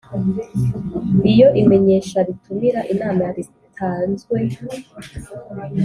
Iyo imenyesha ritumira inama ritanzwe